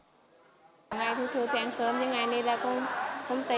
hôm nay thưa thưa tôi ăn cơm với anh đi ra công tý